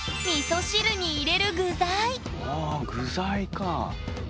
あ具材かあ。